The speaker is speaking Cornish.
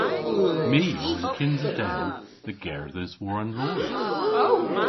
My o an kynsa den dhe gerdhes war an loor.